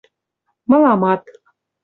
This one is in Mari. — Мыламат...